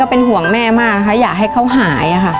เป็นห่วงแม่มากนะคะอยากให้เขาหายค่ะ